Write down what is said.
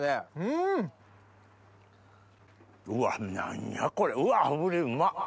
うわ何やこれうわ炙りうまっ！